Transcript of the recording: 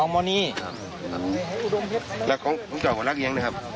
มีรักษาวงรักอย่างไรครับ